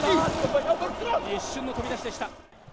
一瞬の飛び出しでした。